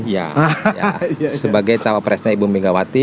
ya sebagai cawapresnya ibu megawati